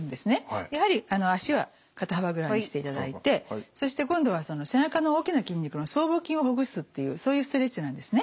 やはり足は肩幅ぐらいにしていただいてそして今度は背中の大きな筋肉の僧帽筋をほぐすっていうそういうストレッチなんですね。